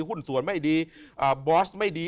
หุ้นส่วนไม่ดีบอสไม่ดี